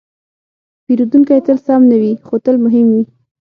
پیرودونکی تل سم نه وي، خو تل مهم وي.